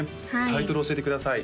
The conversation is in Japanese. タイトル教えてください